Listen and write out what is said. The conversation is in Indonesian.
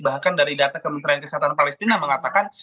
bahkan dari data kementerian kesehatan palestina mengatakan